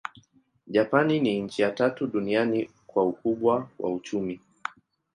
Japani ni nchi ya tatu duniani kwa ukubwa wa uchumi.